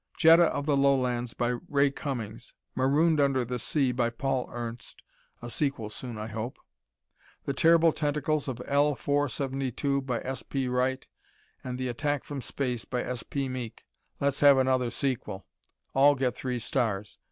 "Jetta of the Lowlands," by Ray Cummings, "Marooned Under the Sea," by Paul Ernst (a sequel soon, I hope). "The Terrible Tentacles of L 472," by S.P. Wright and "The Attack from Space," by S.P. Meek (let's have another sequel), all get three stars.